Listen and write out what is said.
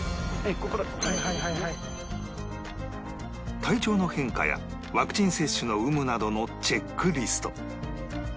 体調の変化やワクチン接種の有無などのチェックリスト